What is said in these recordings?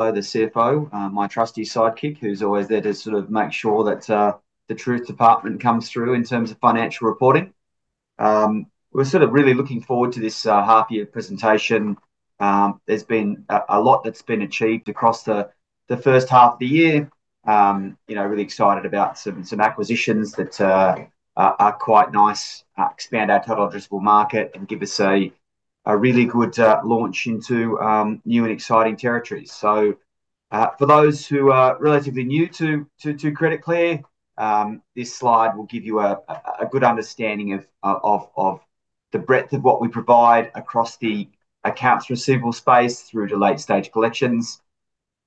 The CFO, my trusty sidekick, who's always there to sort of make sure that the truth department comes through in terms of financial reporting. We're sort of really looking forward to this half-year presentation. There's been a lot that's been achieved across the first half of the year. You know, really excited about some acquisitions that are quite nice, expand our total addressable market and give us a really good launch into new and exciting territories. For those who are relatively new to Credit Clear, this slide will give you a good understanding of the breadth of what we provide across the accounts receivable space through to late-stage collections.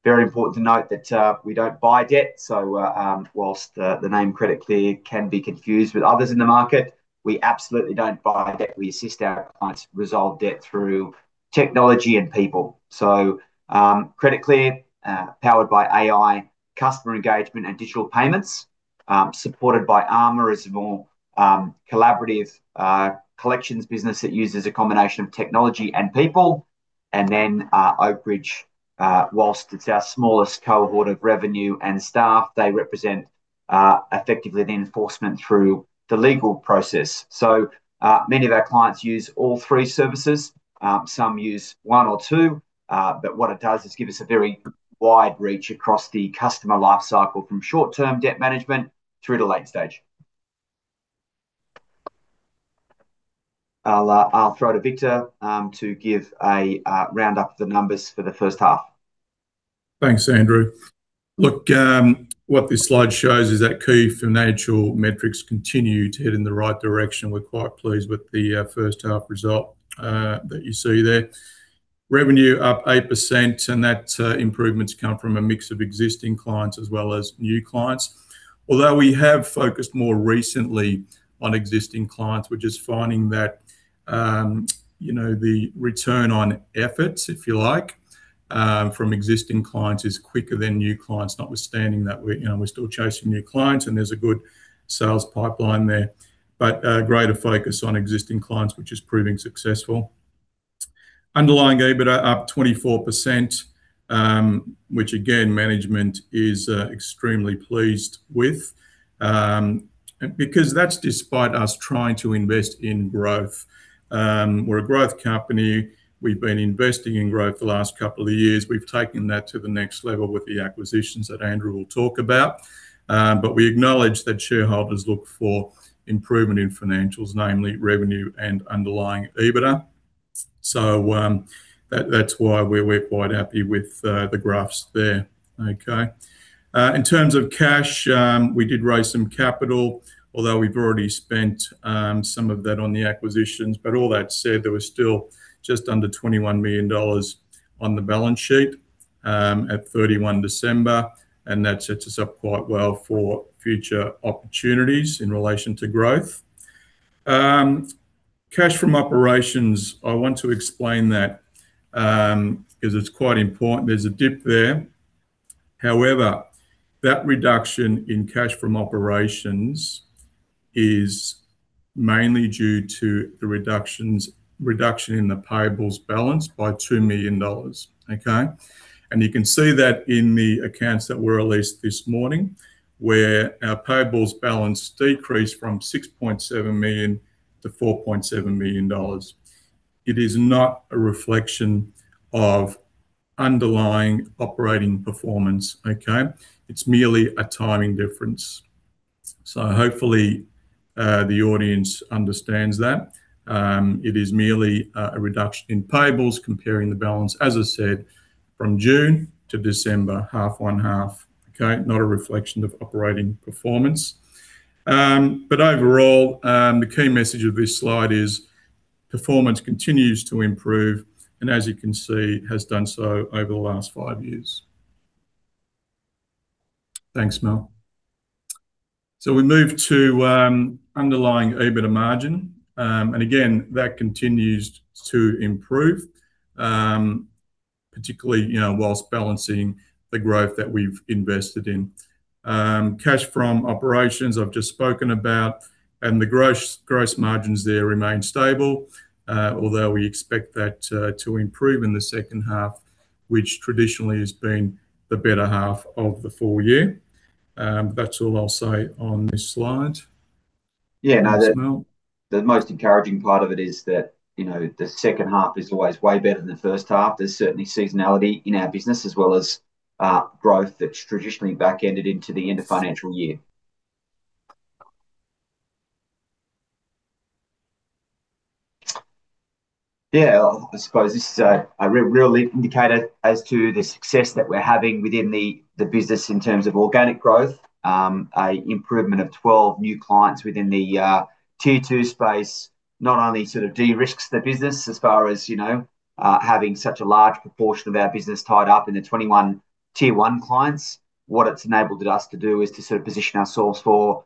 Very important to note that we don't buy debt, so whilst the name Credit Clear can be confused with others in the market, we absolutely don't buy debt. We assist our clients resolve debt through technology and people. Credit Clear, powered by AI, customer engagement, and digital payments, supported by ARMA, is a more collaborative collections business that uses a combination of technology and people. Oakbridge, whilst it's our smallest cohort of revenue and staff, they represent effectively the enforcement through the legal process. Many of our clients use all three services, some use one or two, but what it does is give us a very wide reach across the customer life cycle, from short-term debt management through to late stage. I'll throw to Victor, to give a round-up of the numbers for the first half. Thanks, Andrew. Look, what this slide shows is that key financial metrics continue to head in the right direction. We're quite pleased with the first half result that you see there. Revenue up 8%, and that improvement's come from a mix of existing clients as well as new clients. Although we have focused more recently on existing clients, we're just finding that, you know, the return on efforts, if you like, from existing clients is quicker than new clients. Notwithstanding that, we're, you know, we're still chasing new clients, and there's a good sales pipeline there, but greater focus on existing clients, which is proving successful. Underlying EBITDA up 24%, which again, management is extremely pleased with, because that's despite us trying to invest in growth. We're a growth company, we've been investing in growth the last couple of years. We've taken that to the next level with the acquisitions that Andrew will talk about, but we acknowledge that shareholders look for improvement in financials, namely revenue and underlying EBITDA. That's why we're quite happy with the graphs there. Okay? In terms of cash, we did raise some capital, although we've already spent some of that on the acquisitions, but all that said, there was still just under AUD 21 million on the balance sheet at 31 December, and that sets us up quite well for future opportunities in relation to growth. Cash from operations, I want to explain that because it's quite important. There's a dip there. However, that reduction in cash from operations is mainly due to the reduction in the payables balance by 2 million dollars, okay. You can see that in the accounts that were released this morning, where our payables balance decreased from AUD 6.7 million to AUD 4.7 million. It is not a reflection of underlying operating performance, okay. It's merely a timing difference. Hopefully, the audience understands that. It is merely a reduction in payables, comparing the balance, as I said, from June to December, half one half, okay. Not a reflection of operating performance. Overall, the key message of this slide is, performance continues to improve, and as you can see, has done so over the last five years. Thanks. We move to underlying EBITDA margin. Again, that continues to improve, particularly, you know, whilst balancing the growth that we've invested in. Cash from operations, I've just spoken about. The gross margins there remain stable, although we expect that to improve in the second half, which traditionally has been the better half of the full year. That's all I'll say on this slide. Yeah, no. Thanks, Andrew. The most encouraging part of it is that, you know, the second half is always way better than the first half. There's certainly seasonality in our business, as well as, growth that's traditionally back-ended into the end of financial year. I suppose this is a real indicator as to the success that we're having within the business in terms of organic growth. An improvement of 12 new clients within the Tier Two space, not only sort of de-risks the business as far as, you know, having such a large proportion of our business tied up in the 21 Tier One clients. What it's enabled us to do is to sort of position ourselves for,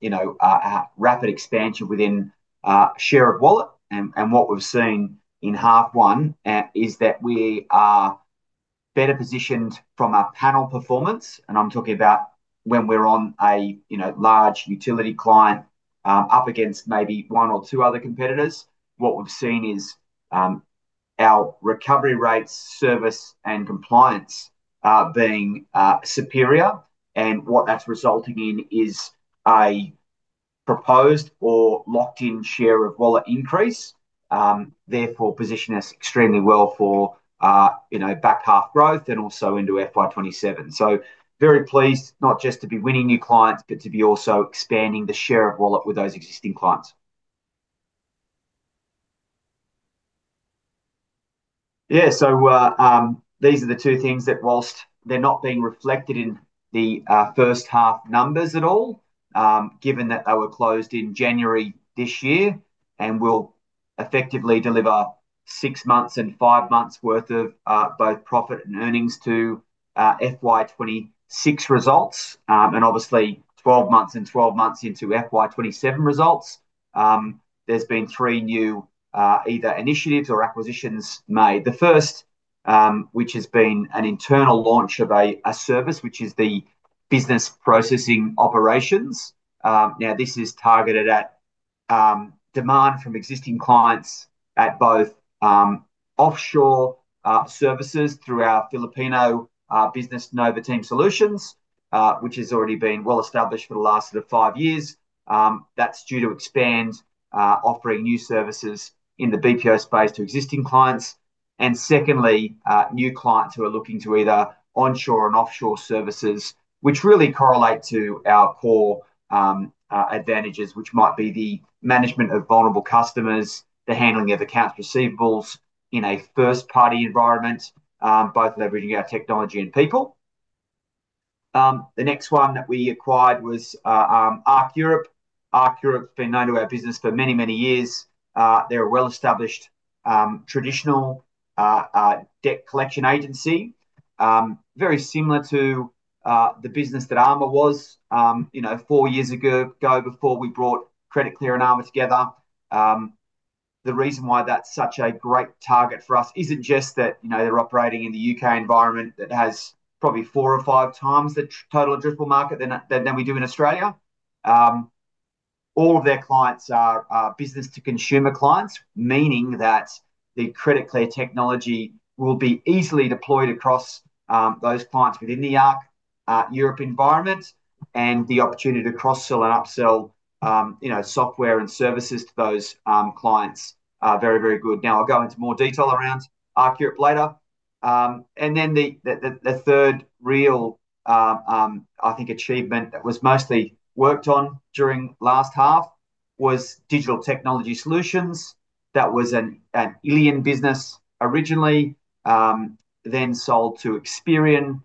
you know, a rapid expansion within our share of wallet. What we've seen in half one is that we are better positioned from a panel performance, and I'm talking when we're on a, you know, large utility client up against maybe one or two other competitors, what we've seen is our recovery rates, service, and compliance being superior. What that's resulting in is a proposed or locked-in share of wallet increase, therefore position us extremely well for, you know, back half growth and also into FY 2027. Very pleased, not just to be winning new clients, but to be also expanding the share of wallet with those existing clients. Yeah, these are the two things that whilst they're not being reflected in the first half numbers at all, given that they were closed in January this year, and will effectively deliver six months and five months worth of both profit and earnings to FY 2026 results, and obviously 12 months and 12 months into FY 2027 results. There's been three new either initiatives or acquisitions made. The first, which has been an internal launch of a service, which is the business processing operations. Now, this is targeted at demand from existing clients at both offshore services through our Filipino business, Nova Team Solutions, which has already been well established for the last of the five years. That's due to expand, offering new services in the BPO space to existing clients. Secondly, new clients who are looking to either onshore and offshore services, which really correlate to our core advantages, which might be the management of vulnerable customers, the handling of accounts receivables in a first party environment, both leveraging our technology and people. The next one that we acquired was ARC Europe. ARC Europe has been known to our business for many, many years. They're a well-established, traditional debt collection agency. Very similar to the business that Armor was, you know, four years ago, before we brought Credit Clear and Armor together. The reason why that's such a great target for us isn't just that, you know, they're operating in the U.K., environment that has probably four or five times the total addressable market than we do in Australia. All of their clients are business-to-consumer clients, meaning that the Credit Clear technology will be easily deployed across those clients within the ARC Europe environment, and the opportunity to cross-sell and upsell, you know, software and services to those clients are very, very good. I'll go into more detail around ARC Europe later. The third real, I think achievement that was mostly worked on during last half was Digital Technology Solutions. That was an illion business originally, then sold to Experian,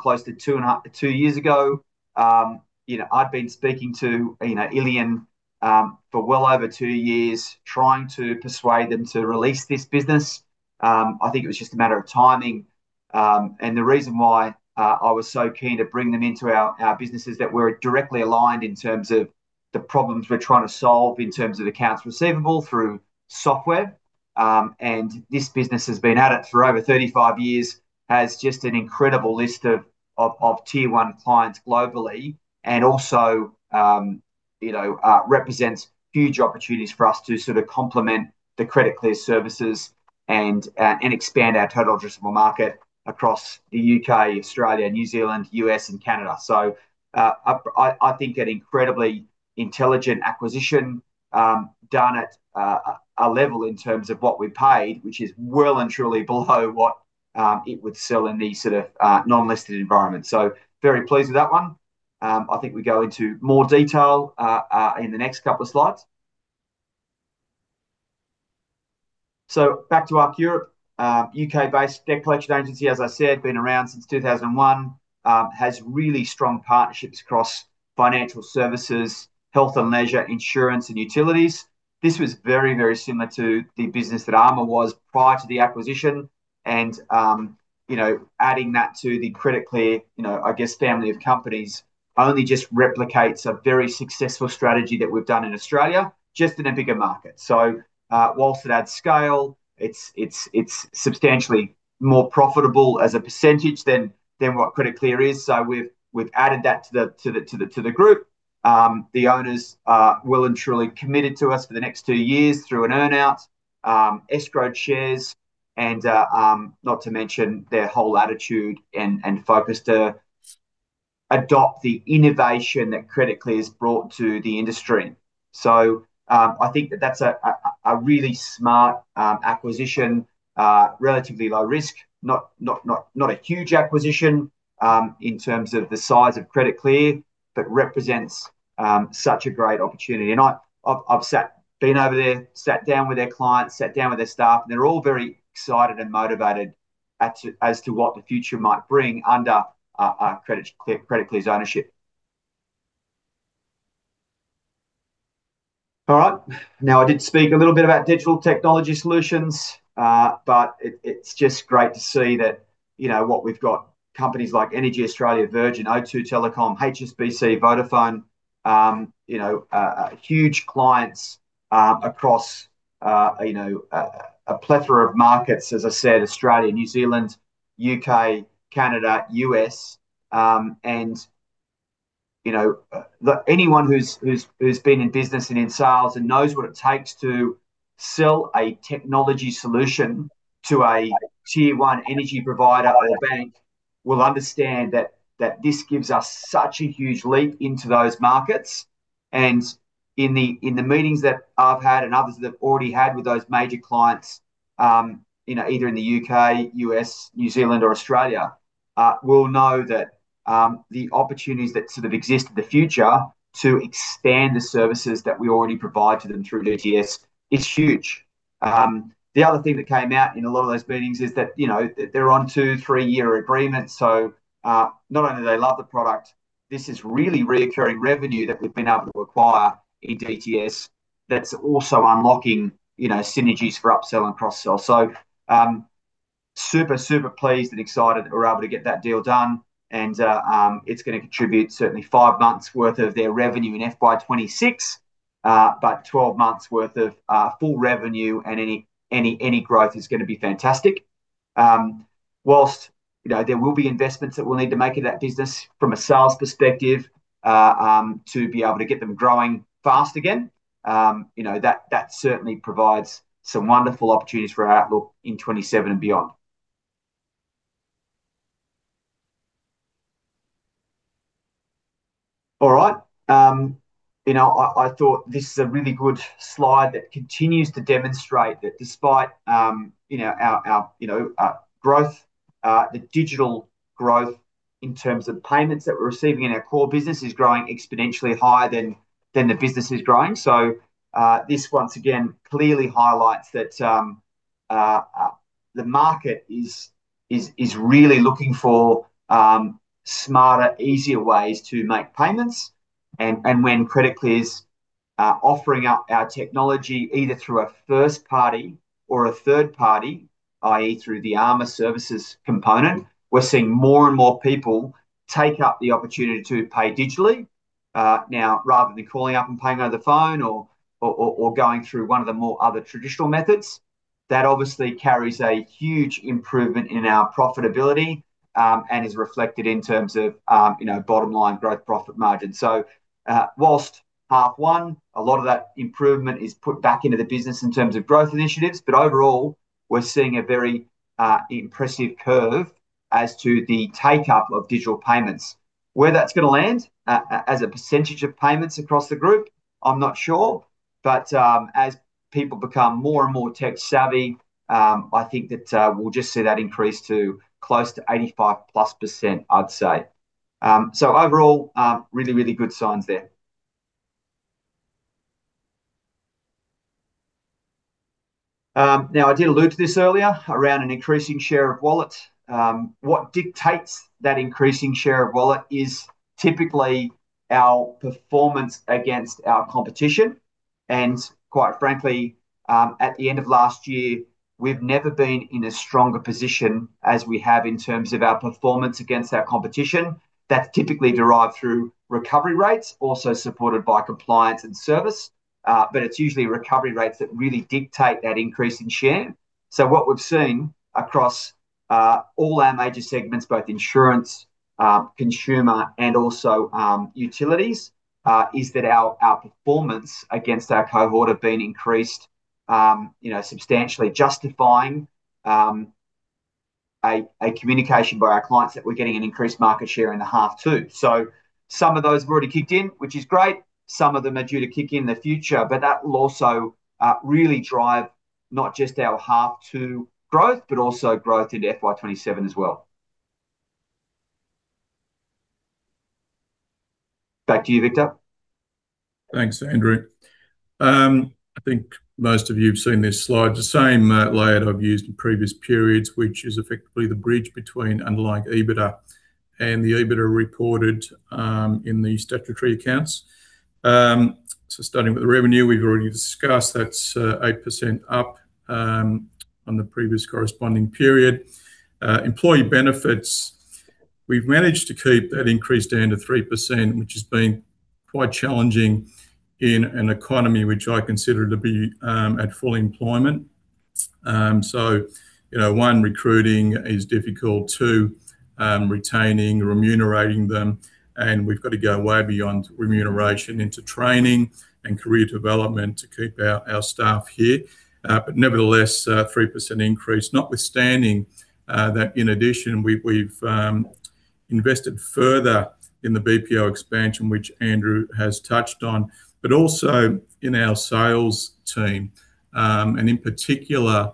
close to two years ago. You know, I'd been speaking to, you know, illion for well over two years, trying to persuade them to release this business. I think it was just a matter of timing. The reason why I was so keen to bring them into our business is that we're directly aligned in terms of the problems we're trying to solve, in terms of accounts receivable through software. This business has been at it for over 35 years, has just an incredible list of Tier One clients globally, and also, you know, represents huge opportunities for us to sort of complement the Credit Clear services and expand our total addressable market across the U.K., Australia, New Zealand, U.S., and Canada. I think an incredibly intelligent acquisition, done at a level in terms of what we paid, which is well and truly below what it would sell in the sort of non-listed environment. Very pleased with that one. I think we go into more detail in the next couple of slides. Back to ARC Europe, U.K., based debt collection agency, as I said, been around since 2001. Has really strong partnerships across financial services, health and leisure, insurance, and utilities. This was very, very similar to the business that Armor was prior to the acquisition, and, you know, adding that to the Credit Clear, you know, I guess, family of companies, only just replicates a very successful strategy that we've done in Australia, just in a bigger market. Whilst it adds scale, it's substantially more profitable as a % than what Credit Clear is. We've added that to the group. The owners are well and truly committed to us for the next two years through an earn out, escrowed shares, and not to mention their whole attitude and focus to adopt the innovation that Credit Clear has brought to the industry. I think that that's a really smart acquisition, relatively low risk. Not a huge acquisition in terms of the size of Credit Clear, but represents such a great opportunity. I've been over there, sat down with their clients, sat down with their staff, and they're all very excited and motivated as to what the future might bring under Credit Clear's ownership. All right. I did speak a little bit about Digital Technology Solutions, but it's just great to see that, you know, what we've got. Companies like EnergyAustralia, Virgin, O2 Telecom, HSBC, Vodafone. Huge clients across a plethora of markets, as I said, Australia, New Zealand, U.K., Canada, U.S. You know, anyone who's been in business and in sales and knows what it takes to sell a technology solution to a Tier One energy provider or a bank, will understand that this gives us such a huge leap into those markets. In the meetings that I've had and others that have already had with those major clients, you know, either in the U.K., U.S., New Zealand or Australia, will know that the opportunities that sort of exist in the future to expand the services that we already provide to them through DTS is huge. The other thing that came out in a lot of those meetings is that, you know, that they're on two, three-year agreements, not only do they love the product, this is really reoccurring revenue that we've been able to acquire in DTS, that's also unlocking, you know, synergies for upsell and cross-sell. Super, super pleased and excited that we're able to get that deal done, and it's gonna contribute certainly 5 months' worth of their revenue in FY 2026, but 12 months worth of full revenue, and any growth is gonna be fantastic. Whilst, you know, there will be investments that we'll need to make in that business from a sales perspective to be able to get them growing fast again, you know, that certainly provides some wonderful opportunities for our outlook in FY 2027 and beyond. All right. You know, I thought this is a really good slide that continues to demonstrate that despite, you know, our, you know, growth, the digital growth in terms of payments that we're receiving in our core business is growing exponentially higher than the business is growing. This once again, clearly highlights that the market is really looking for smarter, easier ways to make payments. When Credit Clear is offering up our technology, either through a first-party or a third-party, i.e., through the Armor Services component, we're seeing more and more people take up the opportunity to pay digitally now, rather than calling up and paying over the phone, or going through one of the more other traditional methods. That obviously carries a huge improvement in our profitability, and is reflected in terms of, you know, bottom line growth, profit margin. Whilst half one, a lot of that improvement is put back into the business in terms of growth initiatives, but overall, we're seeing a very impressive curve as to the take-up of digital payments. Where that's gonna land as a % of payments across the group, I'm not sure. As people become more and more tech-savvy, I think that we'll just see that increase to close to 85%+, I'd say. Overall, really, really good signs there. I did allude to this earlier around an increasing share of wallet. What dictates that increasing share of wallet is typically our performance against our competition, and quite frankly, at the end of last year, we've never been in a stronger position as we have in terms of our performance against our competition. That's typically derived through recovery rates, also supported by compliance and service, but it's usually recovery rates that really dictate that increase in share. What we've seen across all our major segments, both insurance, consumer, and also utilities, is that our performance against our cohort have been increased, you know, substantially justifying a communication by our clients that we're getting an increased market share in the half two. Some of those have already kicked in, which is great. Some of them are due to kick in the future, but that will also really drive not just our half two growth, but also growth into FY 2027 as well. Back to you, Victor. Thanks, Andrew. I think most of you have seen this slide. It's the same layout I've used in previous periods, which is effectively the bridge between underlying EBITDA and the EBITDA reported in the statutory accounts. Starting with the revenue, we've already discussed, that's 8% up on the previous corresponding period. Employee benefits, we've managed to keep that increase down to 3%, which has been quite challenging in an economy which I consider to be at full employment. You know, one, recruiting is difficult. Two, retaining, remunerating them, and we've got to go way beyond remuneration into training and career development to keep our staff here. Nevertheless, a 3% increase, notwithstanding that in addition, we've invested further in the BPO expansion, which Andrew has touched on, but also in our sales team, and in particular,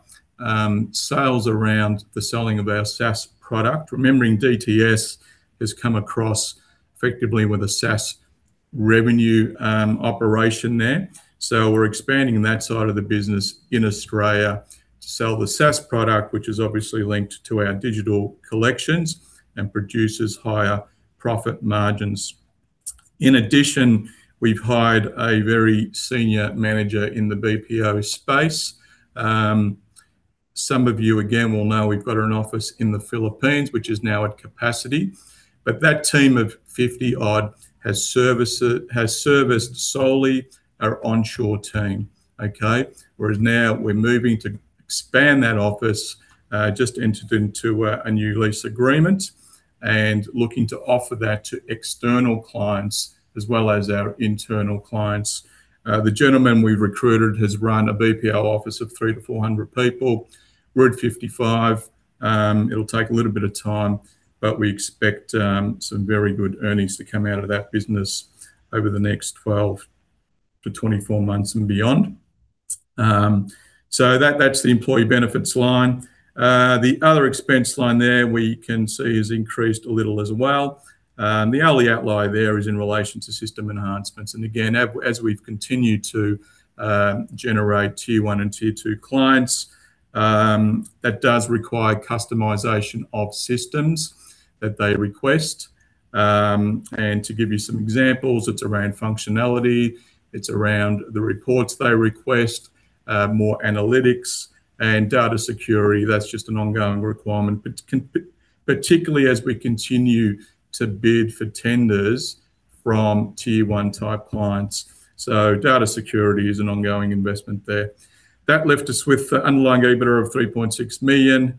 sales around the selling of our SaaS product. Remembering DTS has come across effectively with a SaaS revenue operation there. We're expanding that side of the business in Australia to sell the SaaS product, which is obviously linked to our digital collections and produces higher profit margins. In addition, we've hired a very senior manager in the BPO space. Some of you, again, will know we've got an office in the Philippines, which is now at capacity. That team of 50-odd has serviced solely our onshore team, okay. Now we're moving to expand that office, just entered into a new lease agreement, looking to offer that to external clients as well as our internal clients. The gentleman we've recruited has run a BPO office of 300 to 400 people. We're at 55, it'll take a little bit of time, but we expect some very good earnings to come out of that business over the next 12 to 24 months and beyond. That, that's the employee benefits line. The other expense line there we can see has increased a little as well. The early outlay there is in relation to system enhancements, and again, as we've continued to generate Tier One and Tier Two clients, that does require customization of systems that they request. To give you some examples, it's around functionality, it's around the reports they request, more analytics and data security, that's just an ongoing requirement, but particularly as we continue to bid for tenders from Tier One type clients. Data security is an ongoing investment there. That left us with underlying EBITDA of 3.6 million,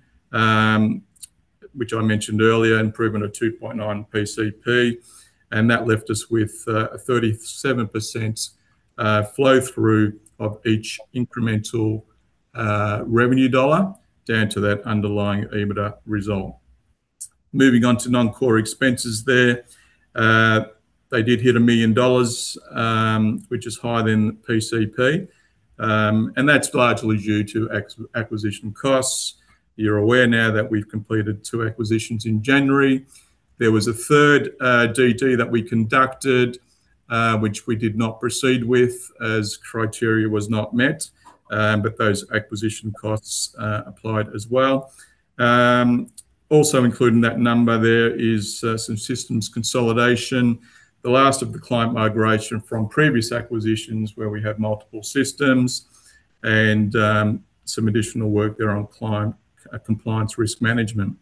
which I mentioned earlier, improvement of 2.9 PCP, and that left us with a 37% flow-through of each incremental revenue dollar, down to that underlying EBITDA result. Moving on to non-core expenses there. They did hit 1 million dollars, which is higher than PCP, that's largely due to acquisition costs. You're aware now that we've completed two acquisitions in January. There was a third DD that we conducted which we did not proceed with as criteria was not met but those acquisition costs applied as well. Aso included in that number there is, uh, some systems consolidation, the last of the client migration from previous acquisitions where we had multiple systems, and, um, some additional work there on client compliance risk management.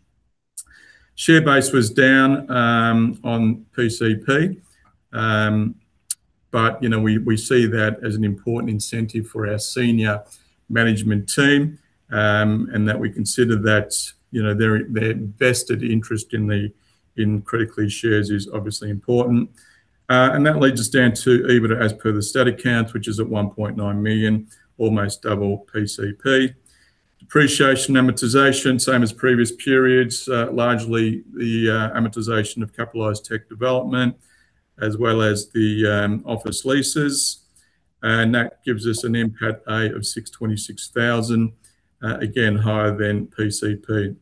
Share base was down on PCP. But, you know, we, we see that as an important incentive for our senior management team and that we consider that, you know, their, their vested interest in the, in Credit Clear shares is obviously important. And that leads us down to EBITDA as per the stated accounts, which is at one point nine million, almost double PCP. Depreciation, amortization, same as previous periods, largely the amortization of capitalized tech development, as well as the office leases, and that gives us an impact A of 626,000, again, higher than PCP.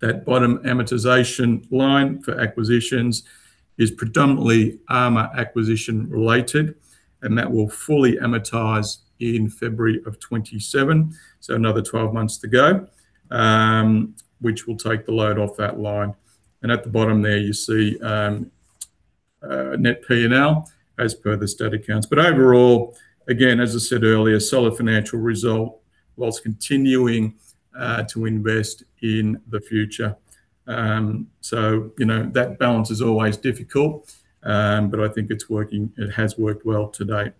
That bottom amortization line for acquisitions is predominantly ARMA acquisition-related, and that will fully amortize in February of 2027, so another 12 months to go, which will take the load off that line. At the bottom there, you see net P&L as per the stated accounts. Overall, again, as I said earlier, solid financial result, whilst continuing to invest in the future. You know, that balance is always difficult, but I think it's working, it has worked well to date.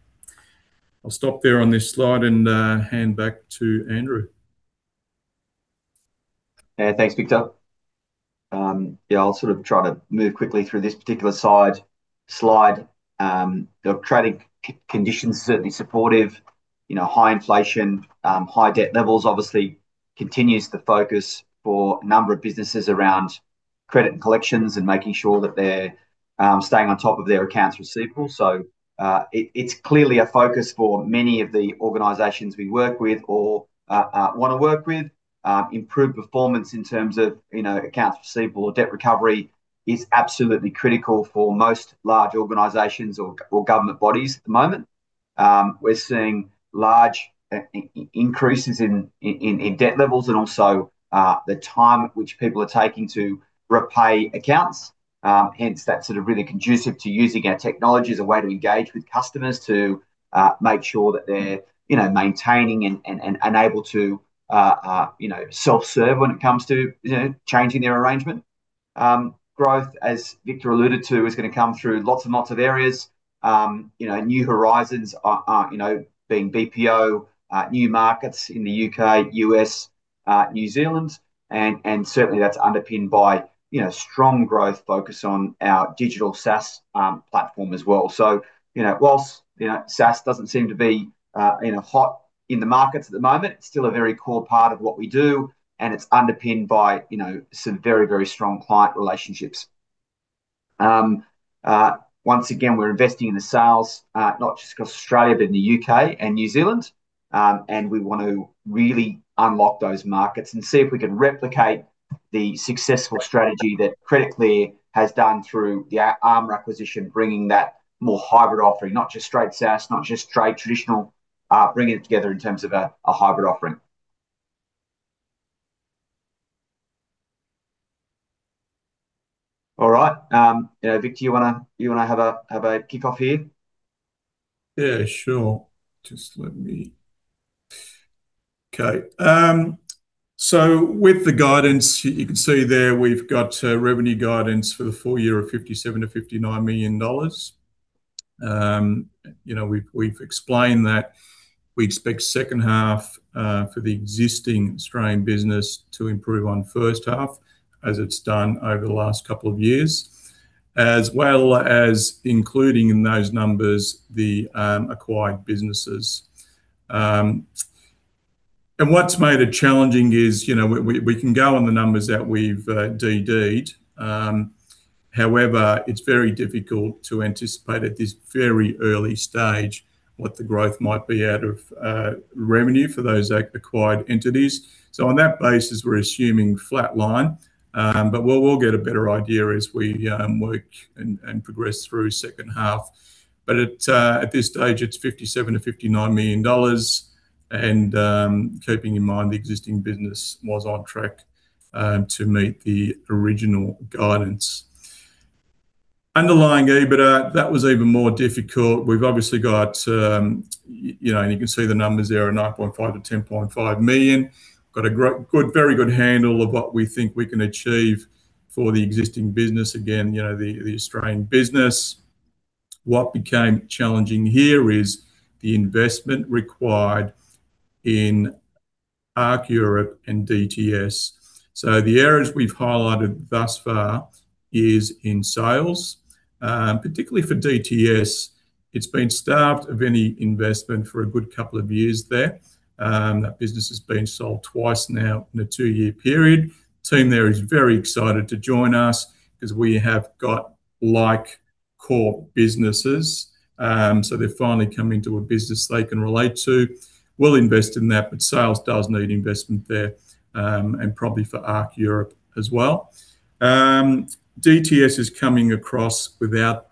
I'll stop there on this slide and hand back to Andrew. Yeah, thanks, Victor. Yeah, I'll sort of try to move quickly through this particular slide. The trading conditions are certainly supportive, you know, high inflation, high debt levels, obviously continues the focus for a number of businesses around credit and collections, and making sure that they're staying on top of their accounts receivable. It's clearly a focus for many of the organizations we work with or want to work with. Improved performance in terms of, you know, accounts receivable or debt recovery is absolutely critical for most large organizations or government bodies at the moment. We're seeing large increases in debt levels and also the time at which people are taking to repay accounts. Hence, that's sort of really conducive to using our technology as a way to engage with customers, to make sure that they're, you know, maintaining and able to, you know, self-serve when it comes to, you know, changing their arrangement. Growth, as Victor alluded to, is gonna come through lots and lots of areas. New horizons are, you know, being BPO, new markets in the U.K., U.S., New Zealand, and certainly that's underpinned by, you know, strong growth focus on our digital SaaS platform as well. Whilst, you know, SaaS doesn't seem to be, you know, hot in the markets at the moment, it's still a very core part of what we do, and it's underpinned by, you know, some very, very strong client relationships. Once again, we're investing in the sales, not just across Australia, but in the U.K. and New Zealand, and we want to really unlock those markets and see if we can replicate the successful strategy that Credit Clear has done through the ARMA acquisition, bringing that more hybrid offering, not just straight SaaS, not just straight traditional, bringing it together in terms of a hybrid offering. You know, Victor, you wanna have a kick off here? Yeah, sure. Just let me Okay. With the guidance, you can see there, we've got revenue guidance for the full year of 57 million-59 million dollars. You know, we've explained that we expect second half for the existing Australian business to improve on first half, as it's done over the last couple of years, as well as including in those numbers, the acquired businesses. What's made it challenging is, you know, we can go on the numbers that we've DD'd, however, it's very difficult to anticipate at this very early stage what the growth might be out of revenue for those acquired entities. On that basis, we're assuming flatline, we'll get a better idea as we work and progress through second half. At this stage, it's $57 million to $59 million, and, keeping in mind, the existing business was on track to meet the original guidance. Underlying EBITDA, that was even more difficult. We've obviously got, you know, and you can see the numbers there are $9.5 million to $10.5 million. Got a good, very good handle of what we think we can achieve for the existing business, again, you know, the Australian business. What became challenging here is the investment required in ARC Europe and DTS. The areas we've highlighted thus far is in sales, particularly for DTS, it's been starved of any investment for a good couple of years there. That business has been sold twice now in a two year period. Team there is very excited to join us 'cause we have got like core businesses. They're finally coming to a business they can relate to. We'll invest in that, but sales does need investment there, and probably for ARC Europe as well. DTS is coming across without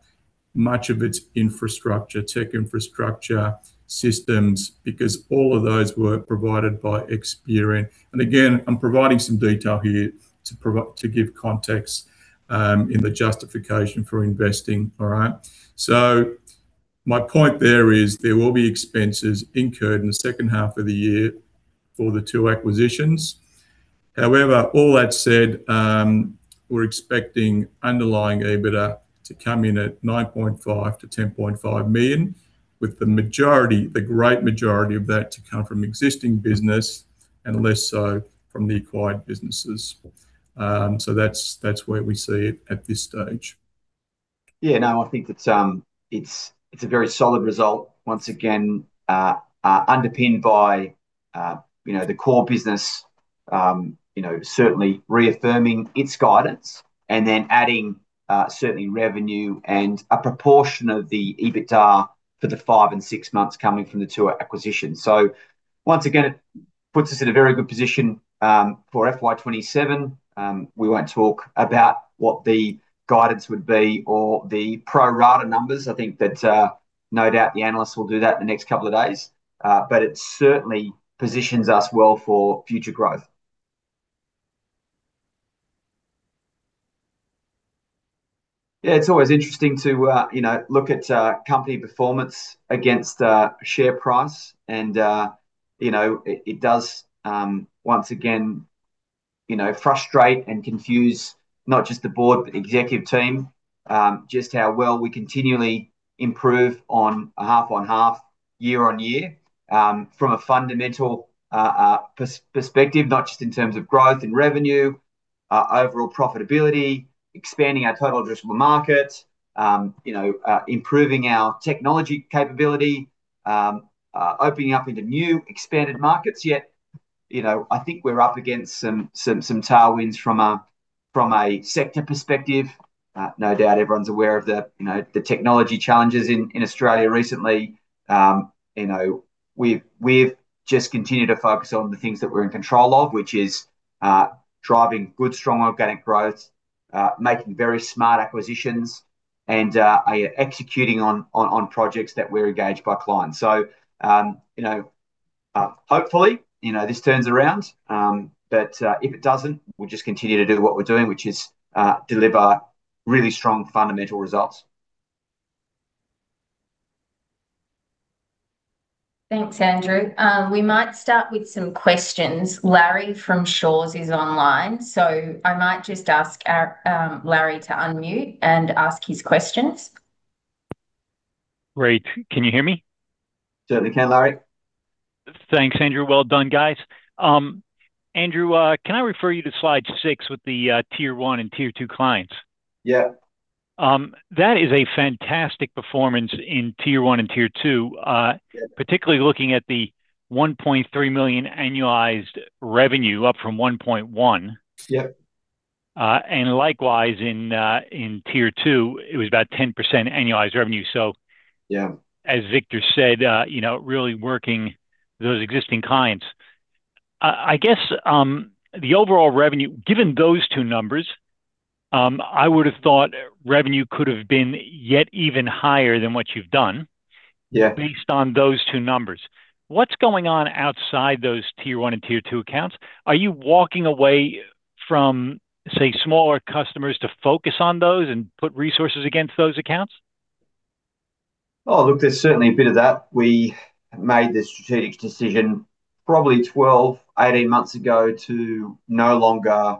much of its infrastructure, tech infrastructure systems, because all of those were provided by Experian. Again, I'm providing some detail here to give context in the justification for investing. All right? My point there is, there will be expenses incurred in the second half of the year for the two acquisitions. However, all that said, we're expecting underlying EBITDA to come in at 9.5 million-10.5 million, with the majority, the great majority of that to come from existing business and less so from the acquired businesses. That's where we see it at this stage. No, I think it's a very solid result once again, underpinned by, you know, the core business, you know, certainly reaffirming its guidance and then adding, certainly revenue and a proportion of the EBITDA for the five and six months coming from the two acquisitions. Once again, it puts us in a very good position for FY 2027. We won't talk about what the guidance would be or the pro rata numbers. I think that, no doubt, the analysts will do that in the next couple of days, but it certainly positions us well for future growth. Yeah, it's always interesting to, you know, look at company performance against share price, and, you know, it does, once again, you know, frustrate and confuse not just the board, but executive team, just how well we continually improve on a half-on-half, year-on-year, from a fundamental perspective, not just in terms of growth and revenue, overall profitability, expanding our total addressable market, you know, improving our technology capability, opening up into new expanded markets. You know, I think we're up against some tailwinds from a sector perspective. No doubt, everyone's aware of the, you know, the technology challenges in Australia recently. You know, we've just continued to focus on the things that we're in control of, which is driving good, strong, organic growth, making very smart acquisitions, and executing on projects that we're engaged by clients. You know, hopefully, you know, this turns around, but if it doesn't, we'll just continue to do what we're doing, which is deliver really strong fundamental results. Thanks, Andrew. We might start with some questions. Larry from Shaw's is online. I might just ask our, Larry to unmute and ask his questions. Great. Can you hear me? Certainly can, Larry. Thanks, Andrew. Well done, guys. Andrew, can I refer you to slide six with the Tier One and Tier Two clients? Yeah. That is a fantastic performance in Tier One and Tier Two. Yeah Particularly looking at the 1.3 million annualized revenue, up from 1.1 million. Yep. Likewise in Tier Two, it was about 10% annualized revenue. Yeah As Victor said, you know, really working those existing clients. I guess the overall revenue, given those two numbers, I would have thought revenue could have been yet even higher than what you've done. Based on those two numbers, what's going on outside those Tier One and Tier Two accounts? Are you walking away from, say, smaller customers to focus on those and put resources against those accounts? Look, there's certainly a bit of that. We made the strategic decision probably 12, 18 months ago to no longer,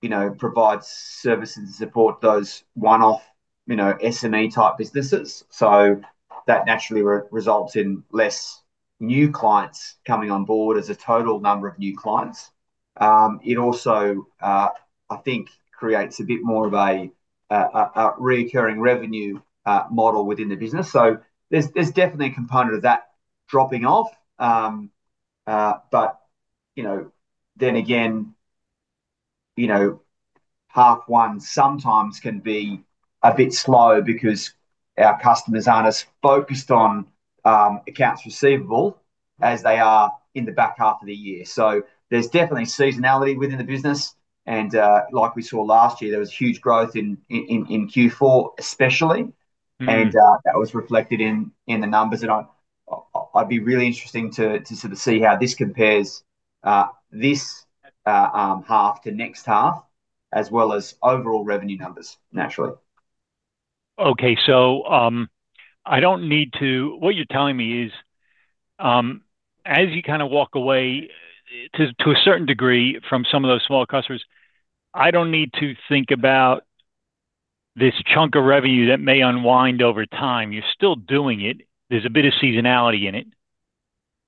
you know, provide services and support those one-off, you know, SME-type businesses. That naturally results in less new clients coming on board as a total number of new clients. It also, I think, creates a bit more of a reoccurring revenue model within the business. There's definitely a component of that dropping off. But, you know, again, you know, half one sometimes can be a bit slow because our customers aren't as focused on accounts receivable as they are in the back half of the year. There's definitely seasonality within the business, and like we saw last year, there was huge growth in Q4, especially and that was reflected in the numbers and I'd be really interesting to sort of see how this compares This half to next half, as well as overall revenue numbers, naturally. What you're telling me is, as you kind of walk away to a certain degree, from some of those smaller customers, I don't need to think about this chunk of revenue that may unwind over time. You're still doing it. There's a bit of seasonality in it,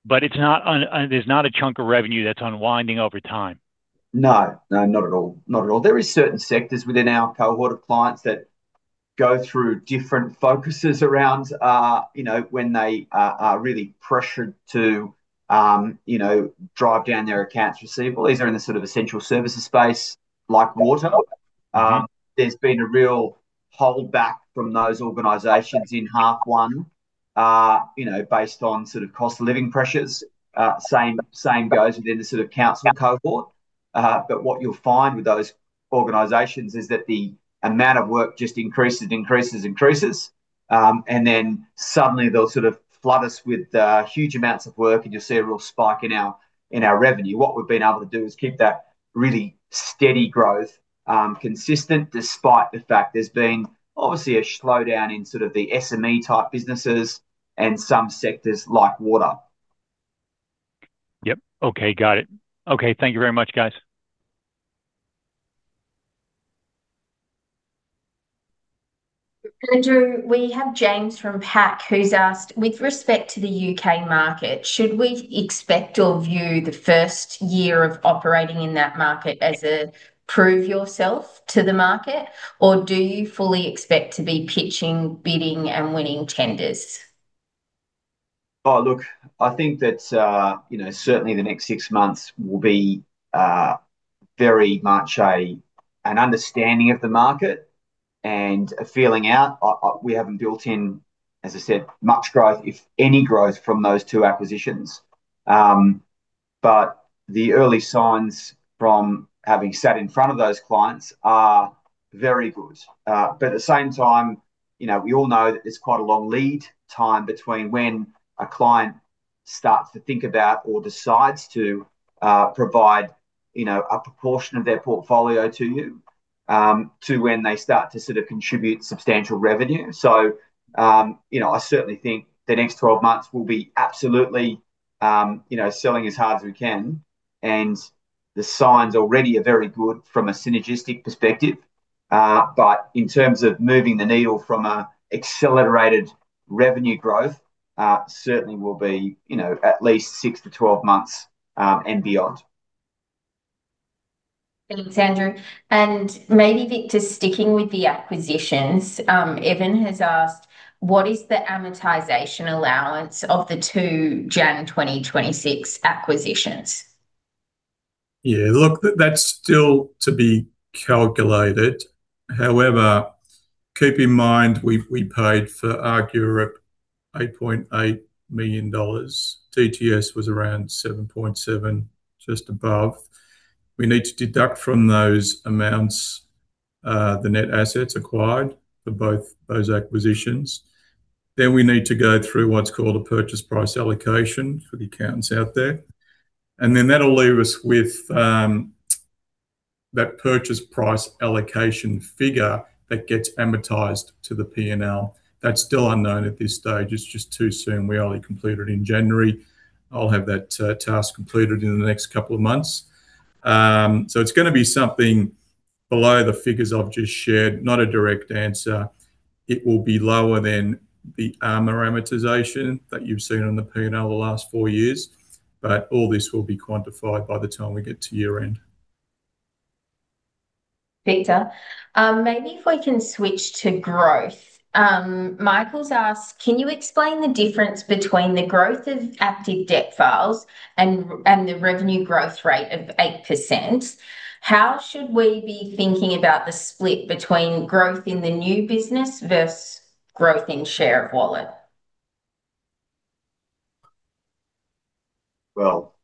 but it's not un, there's not a chunk of revenue that's unwinding over time. No. No, not at all. Not at all. There is certain sectors within our cohort of clients that go through different focuses around, you know, when they are really pressured to, you know, drive down their accounts receivable. These are in the sort of essential services space, like water. There's been a real holdback from those organizations in half one, based on cost of living pressures. Same goes within the council cohort. What you'll find with those organizations is that the amount of work just increases, increases, and then suddenly they'll flood us with huge amounts of work, and you'll see a real spike in our revenue. What we've been able to do is keep that really steady growth consistent, despite the fact there's been obviously a slowdown in the SME-type businesses and some sectors like water. Yep. Okay, got it. Okay, thank you very much, guys. Andrew, we have James from PAC, who's asked: "With respect to the UK market, should we expect or view the first year of operating in that market as a prove yourself to the market, or do you fully expect to be pitching, bidding, and winning tenders? Oh, look, I think that, you know, certainly the next six months will be very much an understanding of the market and a feeling out. I, we haven't built in, as I said, much growth, if any growth from those two acquisitions. The early signs from having sat in front of those clients are very good. At the same time, you know, we all know that there's quite a long lead time between when a client starts to think about or decides to provide You know, a proportion of their portfolio to you, to when they start to sort of contribute substantial revenue. You know, I certainly think the next 12 months will be absolutely, you know, selling as hard as we can, and the signs already are very good from a synergistic perspective. In terms of moving the needle from accelerated revenue growth, certainly will be, you know, at least six to 12 months and beyond. Thanks, Andrew. maybe, Victor, sticking with the acquisitions, Evan has asked: "What is the amortization allowance of the two January 2026 acquisitions? Yeah, look, that's still to be calculated. However, keep in mind, we paid for ARC Europe 8.8 million dollars. DTS was around 7.7 million, just above. We need to deduct from those amounts the net assets acquired for both those acquisitions. We need to go through what's called a purchase price allocation, for the accountants out there, that'll leave us with that purchase price allocation figure that gets amortized to the P&L. That's still unknown at this stage. It's just too soon. We only completed in January. I'll have that task completed in the next couple of months. It's going to be something below the figures I've just shared. Not a direct answer. It will be lower than the amortization that you've seen on the P&L the last four years, but all this will be quantified by the time we get to year-end. Victor, maybe if we can switch to growth. Michael's asked: "Can you explain the difference between the growth of active debt files and the revenue growth rate of 8%? How should we be thinking about the split between growth in the new business versus growth in share of wallet? Well,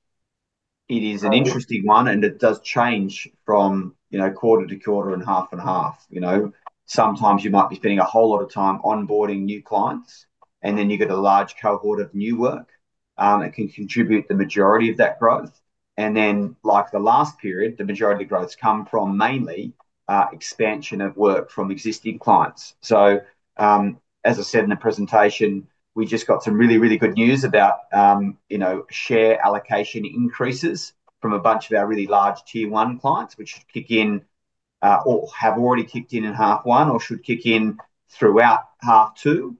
it is an interesting one, and it does change from, you know, quarter to quarter and half and half. You know, sometimes you might be spending a whole lot of time onboarding new clients, and then you get a large cohort of new work, that can contribute the majority of that growth. Like the last period, the majority of growth's come from mainly, expansion of work from existing clients. As I said in the presentation, we just got some really, really good news about, you know, share allocation increases from a bunch of our really large Tier One clients, which kick in, or have already kicked in half one or should kick in throughout half two,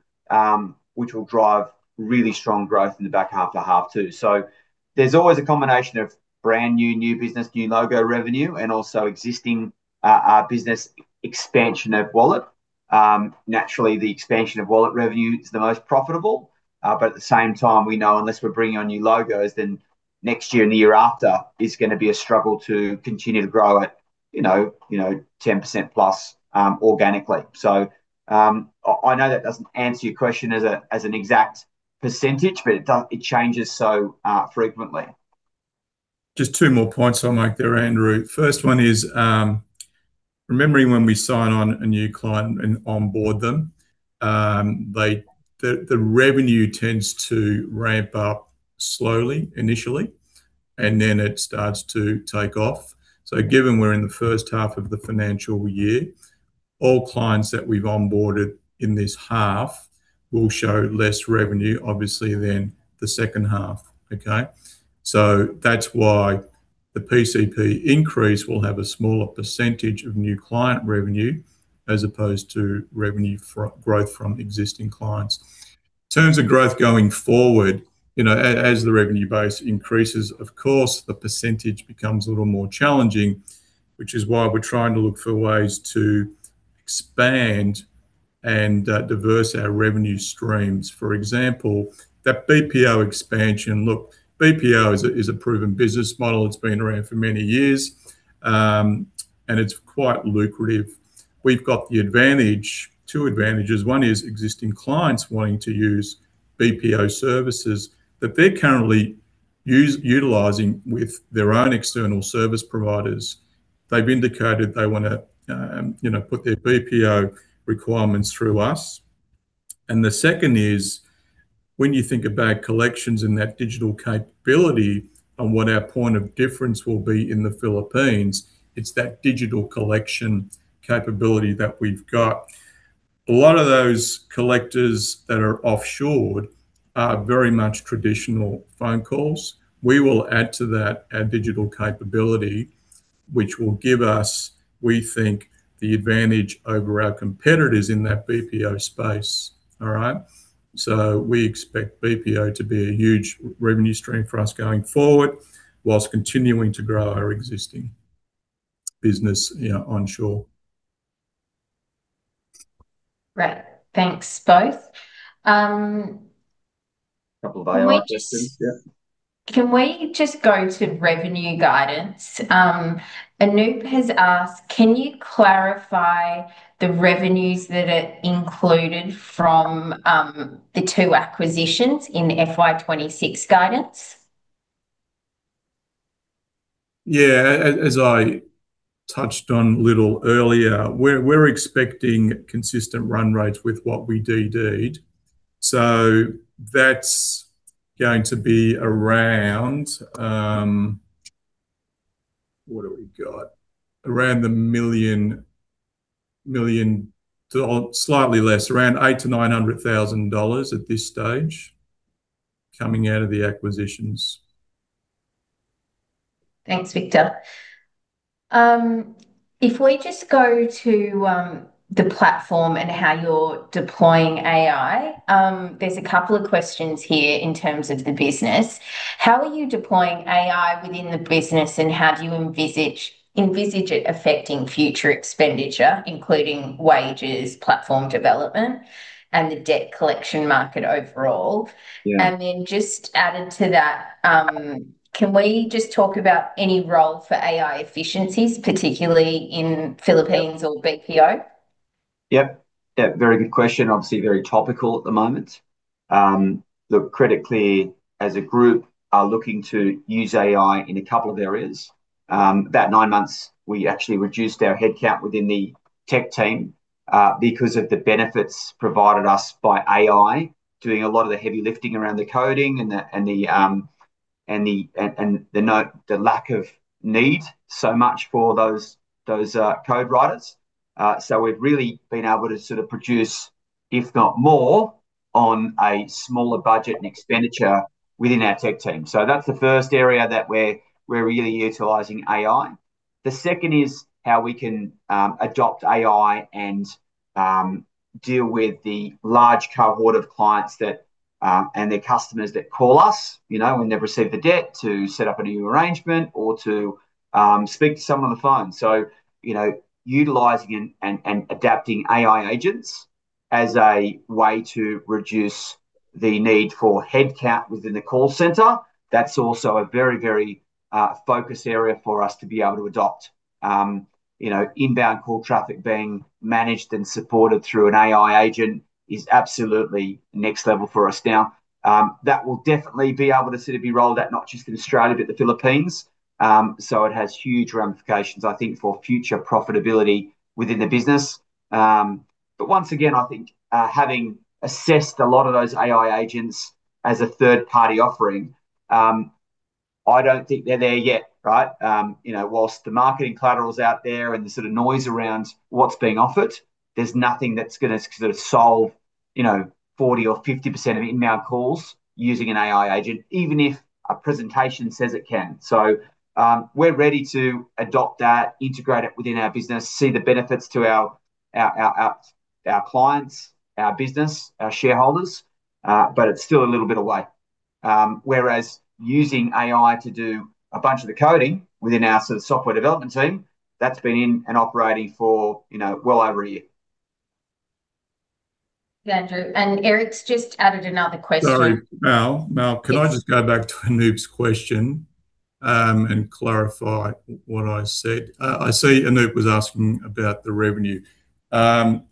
which will drive really strong growth in the back half of half two. There's always a combination of brand new business, new logo revenue, and also existing business expansion of wallet. Naturally, the expansion of wallet revenue is the most profitable, but at the same time, we know unless we're bringing on new logos, then next year and the year after is gonna be a struggle to continue to grow at, you know, 10% plus organically. I know that doesn't answer your question as an exact percentage, but it changes so frequently. Just two more points I'll make there, Andrew. First one is, remembering when we sign on a new client and onboard them, the revenue tends to ramp up slowly initially, then it starts to take off. Given we're in the first half of the financial year, all clients that we've onboarded in this half will show less revenue, obviously, than the second half. Okay? That's why the PCP increase will have a smaller % of new client revenue as opposed to revenue from growth from existing clients. In terms of growth going forward, you know, as the revenue base increases, of course, the % becomes a little more challenging, which is why we're trying to look for ways to expand and diverse our revenue streams. For example, that BPO expansion. Look, BPO is a proven business model. It's been around for many years, and it's quite lucrative. We've got the advantage, two advantages. One is existing clients wanting to use BPO services that they're currently utilizing with their own external service providers. They've indicated they wanna, you know, put their BPO requirements through us. The second is, when you think about collections and that digital capability and what our point of difference will be in the Philippines, it's that digital collection capability that we've got. A lot of those collectors that are offshored are very much traditional phone calls. We will add to that our digital capability, which will give us, we think, the advantage over our competitors in that BPO space. All right. We expect BPO to be a huge revenue stream for us going forward, whilst continuing to grow our existing business, you know, onshore. Great. Thanks, both. Couple of A.I. questions, yeah. Can we just go to revenue guidance? Anup has asked, "Can you clarify the revenues that are included from the two acquisitions in the FY 2026 guidance? Yeah. As I touched on a little earlier, we're expecting consistent run rates with what we DD'd. That's going to be around, what have we got, 800,000-900,000 dollars at this stage, coming out of the acquisitions. Thanks, Victor. If we just go to, the platform and how you're deploying AI, there's two questions here in terms of the business. How are you deploying AI within the business, and how do you envisage it affecting future expenditure, including wages, platform development, and the debt collection market overall? Yeah. Just adding to that, can we just talk about any role for AI efficiencies, particularly in Philippines or BPO? Very good question. Obviously, very topical at the moment. Look, Credit Clear as a group are looking to use AI in a couple of areas. About 9 months, we actually reduced our headcount within the tech team because of the benefits provided us by AI, doing a lot of the heavy lifting around the coding and the lack of need so much for those code writers. We've really been able to sort of produce, if not more, on a smaller budget and expenditure within our tech team. That's the first area that we're really utilizing AI. The second is how we can adopt AI and deal with the large cohort of clients that and their customers that call us, you know, when they've received the debt to set up a new arrangement or to speak to someone on the phone. You know, utilizing and adapting AI agents as a way to reduce the need for headcount within the call center, that's also a very, very focused area for us to be able to adopt. You know, inbound call traffic being managed and supported through an AI agent is absolutely next level for us. That will definitely be able to sort of be rolled out, not just in Australia, but the Philippines. It has huge ramifications, I think, for future profitability within the business. Once again, I think, having assessed a lot of those AI agents as a third-party offering, I don't think they're there yet, right? You know, whilst the marketing collateral's out there and the sort of noise around what's being offered, there's nothing that's gonna sort of solve, you know, 40% or 50% of inbound calls using an AI agent, even if a presentation says it can. We're ready to adopt that, integrate it within our business, see the benefits to our clients, our business, our shareholders, but it's still a little bit away. Whereas using AI to do a bunch of the coding within our sort of software development team, that's been in and operating for, you know, well over a year. Yeah, Andrew, Eric's just added another question. Sorry, Mel. Yes. Can I just go back to Anup's question and clarify what I said? I see Anup was asking about the revenue. I'll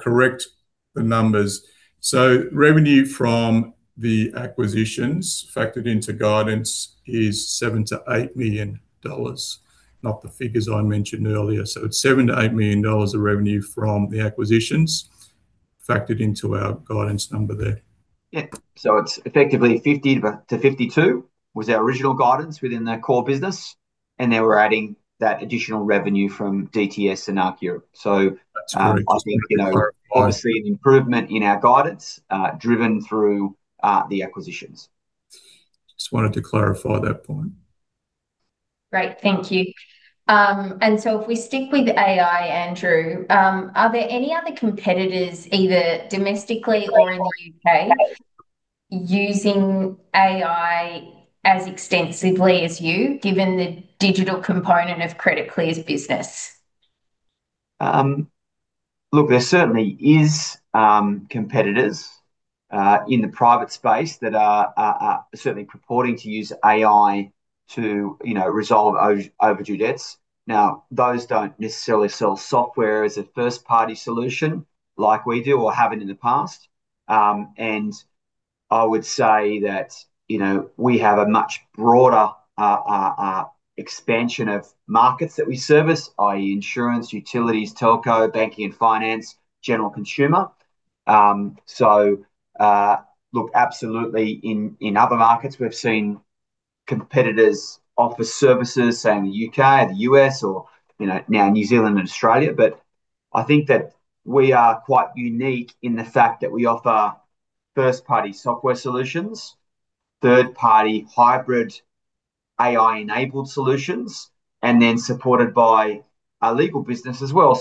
correct the numbers. Revenue from the acquisitions factored into guidance is 7 million-8 million dollars, not the figures I mentioned earlier. It's 7 million-8 million dollars of revenue from the acquisitions factored into our guidance number there. It's effectively 50-52, was our original guidance within the core business, and then we're adding that additional revenue from DTS and ARC Europe. That's correct. I think, you know, obviously an improvement in our guidance, driven through, the acquisitions. Just wanted to clarify that point. Great, thank you. If we stick with AI, Andrew, are there any other competitors, either domestically or in the U.K., using AI as extensively as you, given the digital component of Credit Clear's business? Look, there certainly is competitors in the private space that are certainly purporting to use AI to, you know, resolve overdue debts. Now, those don't necessarily sell software as a first-party solution like we do or have in the past. I would say that, you know, we have a much broader expansion of markets that we service, i.e., insurance, utilities, telco, banking and finance, general consumer. Look, absolutely, in other markets, we've seen competitors offer services, say, in the U.K., The U.S., or, you know, now New Zealand and Australia, but I think that we are quite unique in the fact that we offer first-party software solutions, third-party hybrid AI-enabled solutions, and then supported by a legal business as well.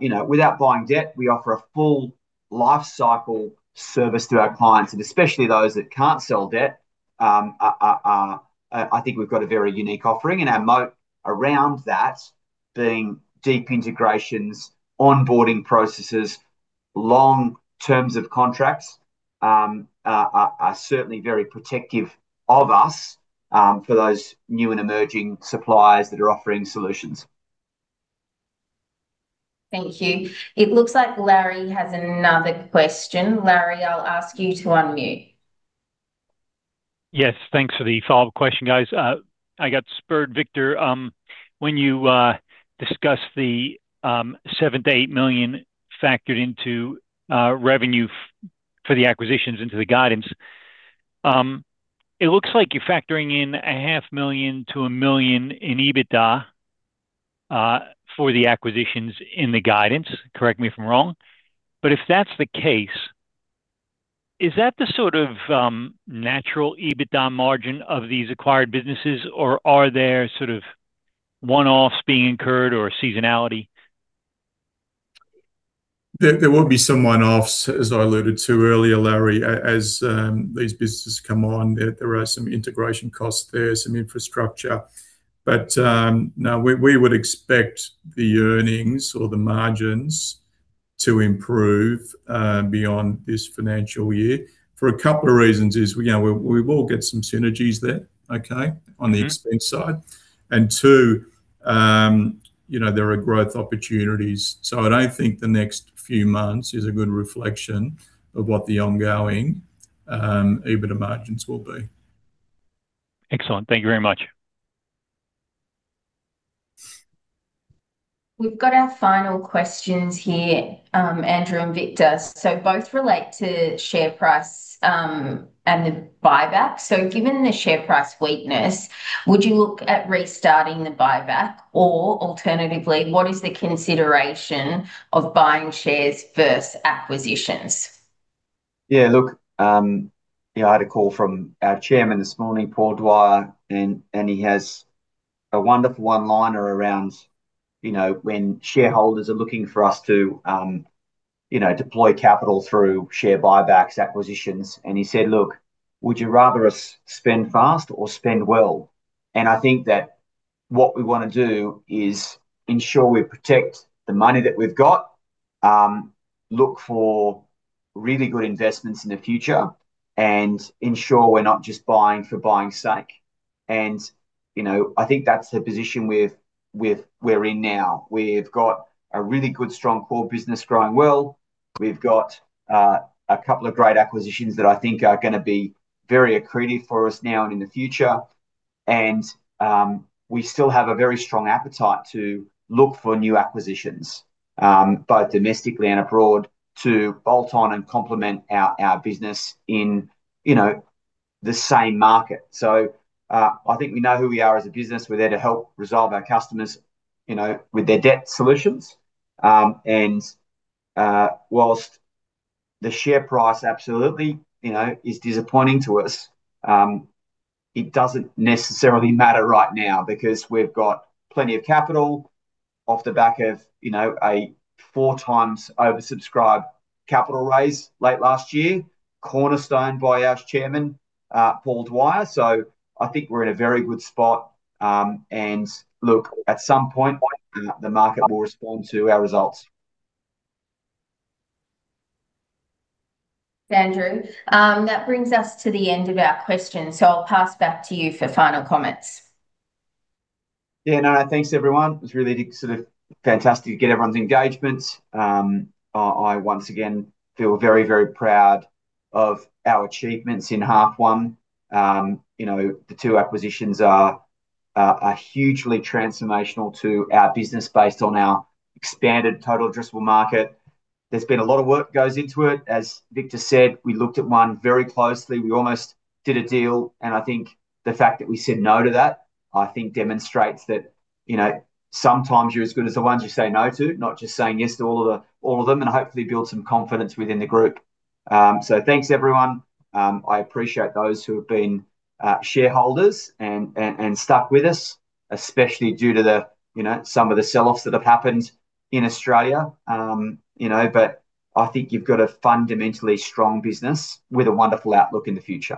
You know, without buying debt, we offer a full life cycle service to our clients, and especially those that can't sell debt. I think we've got a very unique offering, and our moat around that, being deep integrations, onboarding processes, long terms of contracts, are certainly very protective of us, for those new and emerging suppliers that are offering solutions. Thank you. It looks like Larry has another question. Larry, I'll ask you to unmute. Yes, thanks for the follow-up question, guys. I got spurred, Victor, when you discussed the 7 million-8 million factored into revenue for the acquisitions into the guidance. It looks like you're factoring in a half million to 1 million in EBITDA for the acquisitions in the guidance, correct me if I'm wrong. If that's the case, is that the sort of natural EBITDA margin of these acquired businesses, or are there sort of one-offs being incurred or seasonality? There will be some one-offs, as I alluded to earlier, Larry. As these businesses come on, there are some integration costs there, some infrastructure. No, we would expect the earnings or the margins to improve beyond this financial year for a couple of reasons, you know, we will get some synergies there on the expense side. Two, you know, there are growth opportunities. I don't think the next few months is a good reflection of what the ongoing EBITDA margins will be. Excellent. Thank you very much. We've got our final questions here, Andrew and Victor. Both relate to share price, and the buyback. Given the share price weakness, would you look at restarting the buyback? Or alternatively, what is the consideration of buying shares versus acquisitions? Yeah, look, yeah, I had a call from our Chairman this morning, Paul Dwyer, and he has a wonderful one-liner around, you know, when shareholders are looking for us to, you know, deploy capital through share buybacks, acquisitions, and he said: "Look, would you rather us spend fast or spend well?" I think that what we wanna do is ensure we protect the money that we've got, look for really good investments in the future, and ensure we're not just buying for buying's sake. You know, I think that's the position we're in now. We've got a really good, strong core business growing well. We've got a couple of great acquisitions that I think are going to be very accretive for us now and in the future. We still have a very strong appetite to look for new acquisitions, both domestically and abroad, to bolt on and complement our business in, you know, the same market. I think we know who we are as a business. We're there to help resolve our customers, you know, with their debt solutions. Whilst the share price absolutely, you know, is disappointing to us, it doesn't necessarily matter right now because we've got plenty of capital off the back of, you know, a 4 times oversubscribed capital raise late last year, cornerstone by our chairman, Paul Dwyer. I think we're in a very good spot. Look, at some point, the market will respond to our results. Andrew, that brings us to the end of our questions, I'll pass back to you for final comments. No, thanks, everyone. It was really sort of fantastic to get everyone's engagement. I once again feel very, very proud of our achievements in half one. You know, the two acquisitions are hugely transformational to our business based on our expanded total addressable market. There's been a lot of work goes into it. As Victor said, we looked at one very closely. We almost did a deal, and I think the fact that we said no to that, I think demonstrates that, you know, sometimes you're as good as the ones you say no to, not just saying yes to all of them, and hopefully build some confidence within the group. Thanks, everyone. I appreciate those who have been shareholders and stuck with us, especially due to the, you know, some of the sell-offs that have happened in Australia. You know, I think you've got a fundamentally strong business with a wonderful outlook in the future.